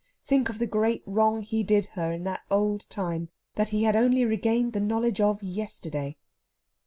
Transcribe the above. Think of the great wrong he did her in that old time that he had only regained the knowledge of yesterday!